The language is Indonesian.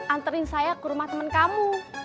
anterin saya ke rumah temen kamu